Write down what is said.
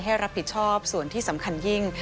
ให้รับผิดชอบส่วนที่สำคัญยิ่ง